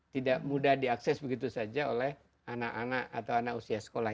tidak mudah diakses begitu saja oleh anak anak atau anak usia sekolah